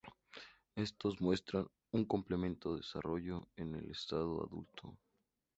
Estos muestran un completo desarrollo en el estado adulto.